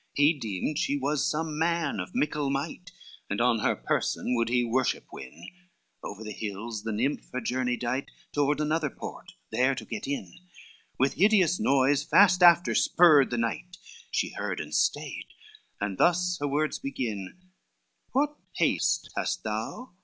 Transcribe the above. LII He deemed she was some man of mickle might, And on her person would he worship win, Over the hills the nymph her journey dight Toward another port, there to get in: With hideous noise fast after spurred the knight, She heard and stayed, and thus her words begin, "What haste hast thou?